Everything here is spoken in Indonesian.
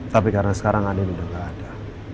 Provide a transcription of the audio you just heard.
tapi karena sekarang andin udah gak ada